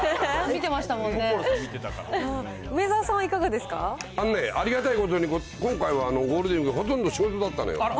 あのね、ありがたいことに今回はゴールデンウィーク、ほとんど仕事だったのよ。